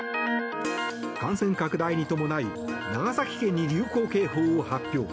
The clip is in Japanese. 感染拡大に伴い長崎県に流行警報を発表。